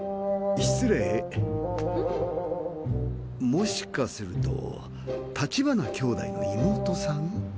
もしかすると立花兄弟の妹さん？